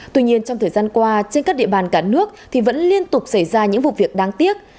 tuy nhiên trong thời gian qua trên các địa bàn cả nước thì vẫn liên tục xảy ra những vụ việc đáng tiếc